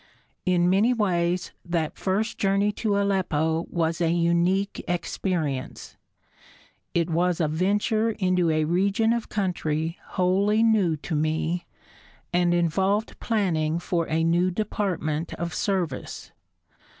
In many ways that first journey to Aleppo was a unique experience. It was a venture into a region of country wholly new to me, and involved planning for a new department of service.